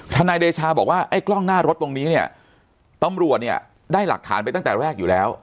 นายเดชาบอกว่าไอ้กล้องหน้ารถตรงนี้เนี่ยตำรวจเนี่ยได้หลักฐานไปตั้งแต่แรกอยู่แล้ว